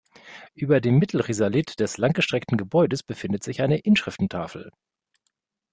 Über dem Mittelrisalit des lang gestreckten Gebäudes befindet sich eine Inschriftentafel.